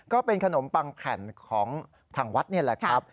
ก็เป็นขนมปังแผ่นของทางวัดนี่แหละครับ